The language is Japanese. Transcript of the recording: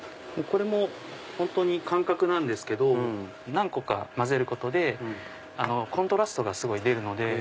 これも本当に感覚なんですけど何個か交ぜることでコントラストが出るので。